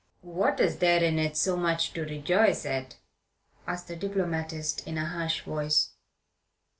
"What is there in it so much to rejoice at?" asked the diplomatist, in a harsh voice.